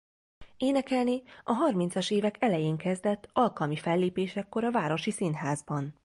Énekelni a harmincas évek elején kezdett alkalmi fellépésekkor a Városi Színházban.